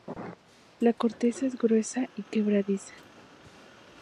La corteza es gruesa y quebradiza.